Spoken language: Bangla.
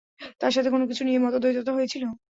তার সাথে কোনও কিছু নিয়ে মতদ্বৈধতা হয়েছিল?